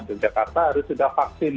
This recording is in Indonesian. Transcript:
yogyakarta harus sudah vaksin